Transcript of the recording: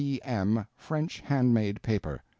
B.M. French handmade paper.